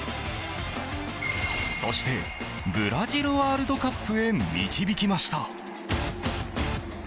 そしてブラジルワールドカップへ導きました。